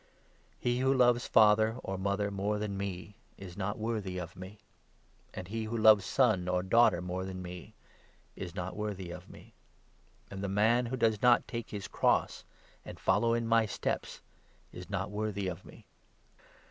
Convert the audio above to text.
He who loves father or mother more than me is not worthy of me; and he who loves son or daughter more than me is not worthy of me. And the man who does not take his cross and follow in my steps is not worthy of me.